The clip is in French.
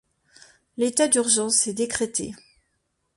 L'état d'urgence est décrété.